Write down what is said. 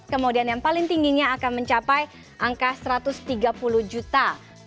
kemudian yang paling tingginya akan mencapai angka satu ratus tiga puluh juta